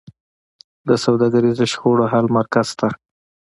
د سوداګریزو شخړو حل مرکز شته؟